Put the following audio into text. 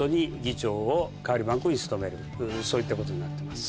そういったことになってます。